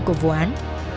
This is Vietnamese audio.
của vụ án